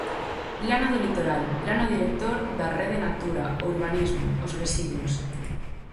Plano do Litoral, Plano Director da Rede Natura, o urbanismo, os residuos.